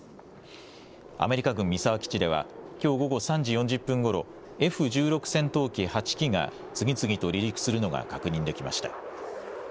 アメリカ軍三沢基地ではきょう午後３時４０分ごろ、Ｆ１６戦闘機８機が次々と離陸するのが確認できました。